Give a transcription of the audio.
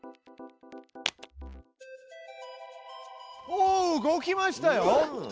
おお動きましたよ！